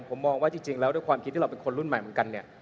ผมมองว่าจริงแล้วด้วยความคิดที่เราเป็นคนรุ่นใหม่เหมือนกันเนี่ย